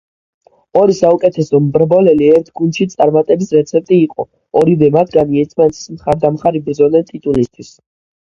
ორი საუკეთესო მრბოლელი ერთ გუნდში წარმატების რეცეპტი იყო, ორივე მათგანი ერთმანეთის მხარდამხარ იბრძოდნენ ტიტულისთვის.